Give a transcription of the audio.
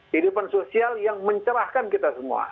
hidupan sosial yang mencerahkan kita semua